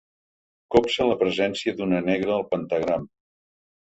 Copsa la presència d'una negra al pentagrama.